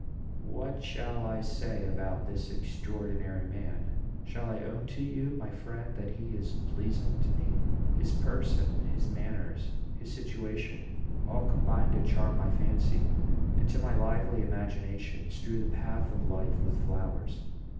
What shall I say about this extraordinary man? Shall I own to you, my friend, that he is pleasing to me? His person, his manners, his situation, all combine to charm my fancy, and, to my lively imagination, strew the path of life with flowers.